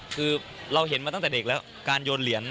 คือเราเห็นมาตั้งแต่เด็กแล้วการโยนเหรียญ